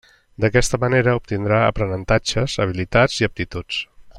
D'aquesta manera, obtindrà aprenentatges, habilitats i aptituds.